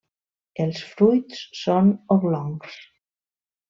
Els fruits són oblongs.